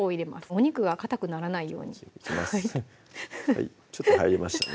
お肉がかたくならないようにちょっと入りましたね